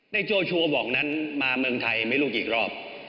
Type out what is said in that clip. โจชัวร์บอกนั้นมาเมืองไทยไม่รู้กี่รอบ